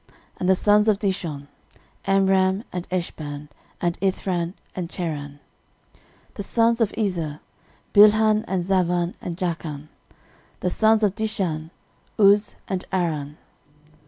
And the sons of Dishon; Amram, and Eshban, and Ithran, and Cheran. 13:001:042 The sons of Ezer; Bilhan, and Zavan, and Jakan. The sons of Dishan; Uz, and Aran.